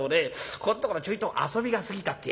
ここんところちょいと遊びがすぎたってやつでね